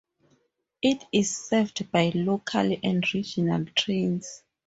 It is served by local and regional trains.